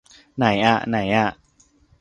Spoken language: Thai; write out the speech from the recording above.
ไหนอ่ะ ไหนอ่ะ